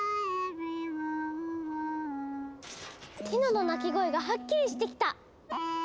ティノの鳴き声がはっきりしてきた！